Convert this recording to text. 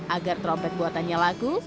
agar trompet buatannya lagu